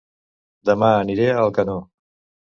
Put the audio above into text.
Dema aniré a Alcanó